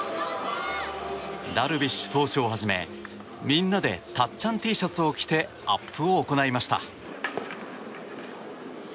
ダルビッシュ投手をはじめみんなでたっちゃんＴシャツを着てアップを行いました。